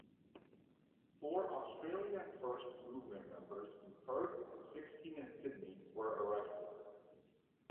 Four Australia First Movement members in Perth and sixteen in Sydney were arrested.